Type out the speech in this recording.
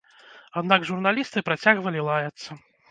Аднак журналісты працягвалі лаяцца.